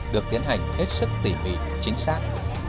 được tiến hành hết sức tỉ mỉ chính xác